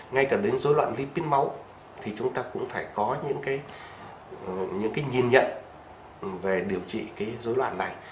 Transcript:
ngay cả đến dối loạn di tích máu thì chúng ta cũng phải có những cái nhìn nhận về điều trị cái dối loạn này